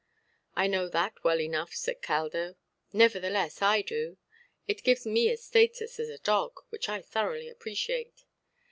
"I know that well enough", said Caldo; "nevertheless, I do. It gives me a status as a dog, which I thoroughly appreciate.